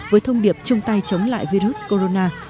với thông điệp chung tay chống lại virus corona